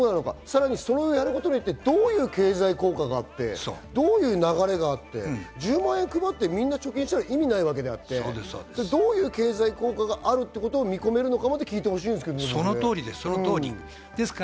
すると財源はどこなのか、それをやることによってどういう経済効果があって、どういう流れがあって、１０万円配ってみんな貯金したら意味ないわけであって、どういう経済効果があるか見込めるかまで聞いてほしいんですけど。